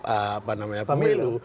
apa namanya pemilu